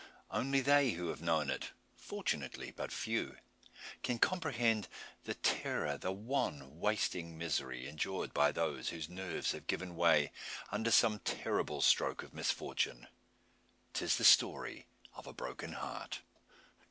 Only they who have known it fortunately but few can comprehend the terror, the wan, wasting misery, endured by those whose nerves have given way under some terrible stroke of misfortune. 'Tis the story of a broken heart.